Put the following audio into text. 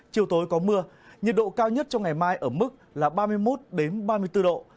chiều tối có mưa nhiệt độ cao nhất trong ngày mai ở mức là ba mươi một ba mươi bốn độ